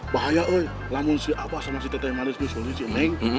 bahaya eh namun si abah sama si teteh yang malis nih soalnya si neng